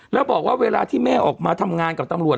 แล้วบอกว่าเวลาที่แม่ออกมาทำงานกับตำรวจ